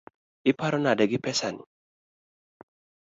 Iparo nade gi pesani?